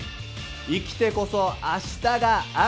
生きてこそ明日がある。